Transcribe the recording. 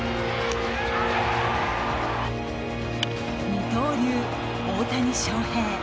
二刀流大谷翔平。